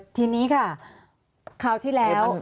ทีนี้ค่ะคราวที่แล้ว